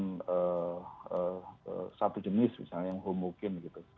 jadi satu jenis misalnya yang humukin gitu